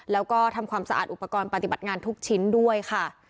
แล้วก็ทำความสะอาดอุปกรณ์ปฏิบัติงานทุกชิ้นด้วยค่ะ